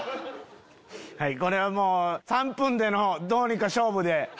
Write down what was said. はいこれはもう３分でのどうにか勝負で。